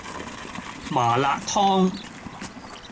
麻辣燙